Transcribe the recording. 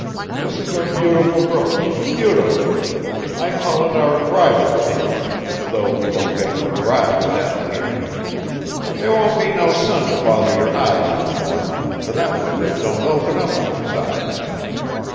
This is a beautiful room beautiful. I call it our bridal chamber, though we don't get no brides down here. There won't be no sun to bother your eyes in the mornin', for that window don't open up outside.